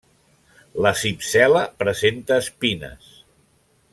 La cípsela presenta espines.